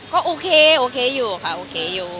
ก็โอเคโอเคอยู่ค่ะโอเคอยู่